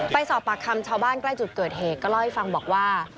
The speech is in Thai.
ไปสอบปากคำชาวบ้านใกล้จุดเกิดเหตุก็เล่าให้ฟังบอกว่า